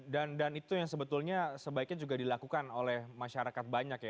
dan dan itu sebetulnya sebaiknya juga dilakukan oleh masyarakat banyak ya